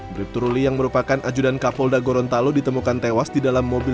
bribtu ruli yang merupakan ajudan kapolda gorontalo ditemukan tewas di dalam mobil